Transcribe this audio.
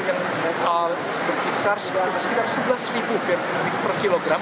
yang berkisar sekitar rp sebelas per kilogram